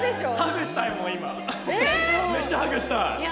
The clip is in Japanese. めっちゃハグしたい！